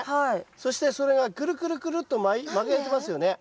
そしてそれがくるくるくるっと巻かれてますよね。